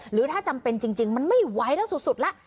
หรือถ้าจำเป็นจริงมันไม่ไหวแล้วสุดแล้ว